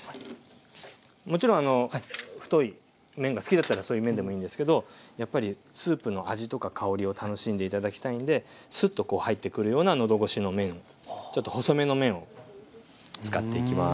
もちろん太い麺が好きだったらそういう麺でもいいんですけどやっぱりスープの味とか香りを楽しんで頂きたいんでスッとこう入ってくるような喉越しの麺ちょっと細めの麺を使っていきます。